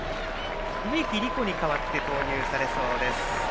植木理子に代わって投入されそうです。